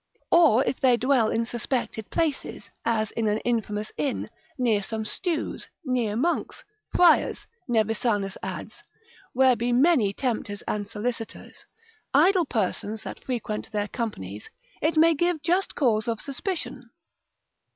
Or if they dwell in suspected places, as in an infamous inn, near some stews, near monks, friars, Nevisanus adds, where be many tempters and solicitors, idle persons that frequent their companies, it may give just cause of suspicion.